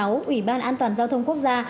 ủy ban an toàn giao thông quốc gia